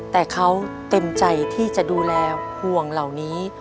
แต่เขาเต็มใจที่จะดูแลห่วงเหล่านี้